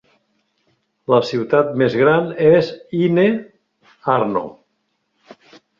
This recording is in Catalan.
La ciutat més gran és Ine, Arno.